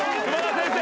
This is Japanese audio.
先生！